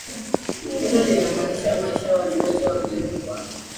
hilo linamaanisha maisha watu wote wa Peru kwa